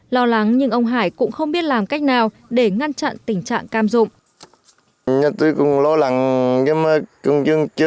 lo lắng nhưng ông hải cũng không biết làm cách nào để ngăn chặn tình trạng cam dụng